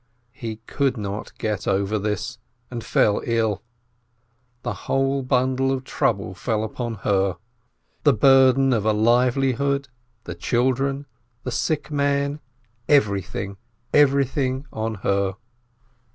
He could not get over this, and fell ill. The whole bundle of trouble fell upon her : the burden of a livelihood, the children, the sick man, everything, everything, on her.